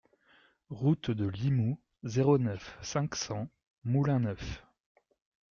Route de Limoux, zéro neuf, cinq cents Moulin-Neuf